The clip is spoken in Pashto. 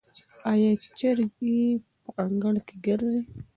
آیا چرګې په انګړ کې ګرځي؟